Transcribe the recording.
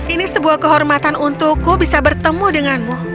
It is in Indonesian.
ini sebuah kehormatan untukku bisa bertemu denganmu